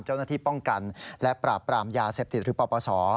เจ้าหน้าที่ป้องกันและปราบปรามยาเสพติดหรือปปศ